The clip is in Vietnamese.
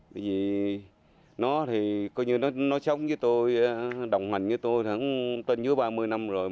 bởi vì nó thì coi như nó sống với tôi đồng hành với tôi tên dưới ba mươi năm rồi